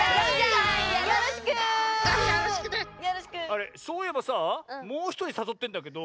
あれそういえばさぁもうひとりさそってんだけど。